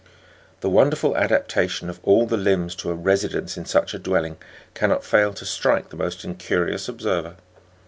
"The wonderful adaptation of all the limbs to a residence in such a dwelling cannot fail to strike the most incurious observer.